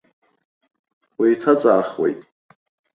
Уеиҭаҵаахуеит!